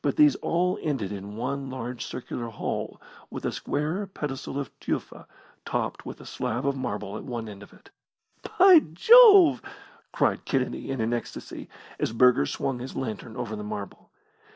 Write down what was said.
But these all ended in one large circular hall with a square pedestal of tufa topped with a slab of marble at one end of it. "By Jove!" cried Kennedy in an ecstasy, as Burger swung his lantern over the marble.